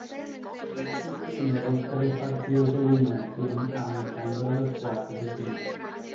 Ganó sus primeros tres partidos de eliminación, avanzando a los cuartos de final.